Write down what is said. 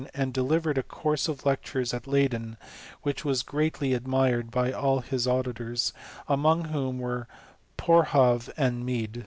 1 and delivered a course of lectures at Leyden, whic)^ was greatly admired by all his auditors, among whom were Boerhaave and Mead.